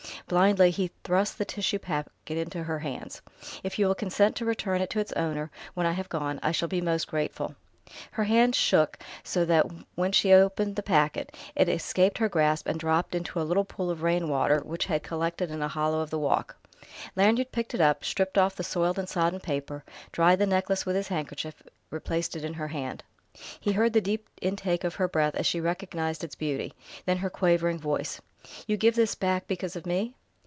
Blindly he thrust the tissue packet into her hands. "If you will consent to return it to its owner, when I have gone, I shall be most grateful." Her hands shook so that, when she would open the packet, it escaped her grasp and dropped into a little pool of rain water which had collected in a hollow of the walk. Lanyard picked it up, stripped off the soiled and sodden paper, dried the necklace with his handkerchief, replaced it in her hand. He heard the deep intake of her breath as she recognized its beauty, then her quavering voice: "You give this back because of me...!"